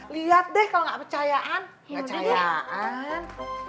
liat deh kalo gak percayaan